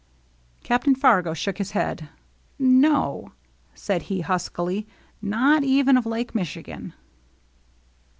Captain Fargo shook his head. " No," said he, huskily, ^^ not even of Lake Michigan."